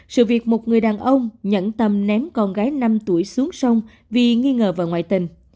sự việc một người đàn ông nhẫn tâm ném con gái năm tuổi xuống sông vì nghi ngờ vào ngoại tình